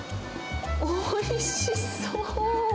おいしそう。